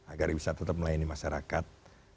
agar bisa tetap melayani masyarakat